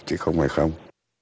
chứ không phải không